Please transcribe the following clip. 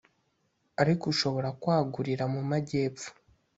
ariko ushobora kwagurira mu majyepfo